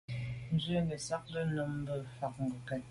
Nzwe nesagte num mfà ngokèt.